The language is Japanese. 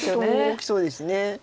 大きそうです。